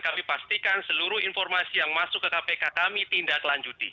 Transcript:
kami pastikan seluruh informasi yang masuk ke kpk kami tindak lanjuti